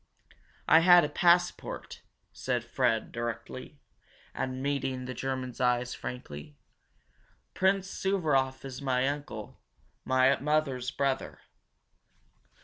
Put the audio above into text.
"I had a passport," said Fred directly, and meeting the German's eyes frankly. "Prince Suvaroff is my uncle, my mother's brother.